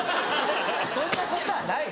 そんなことはない。